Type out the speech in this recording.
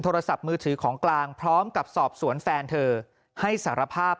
โทรศัพท์มือถือของกลางพร้อมกับสอบสวนแฟนเธอให้สารภาพ